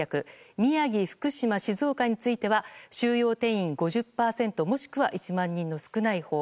宮城、福島、静岡については収容定員５０％もしくは１万人の少ないほう。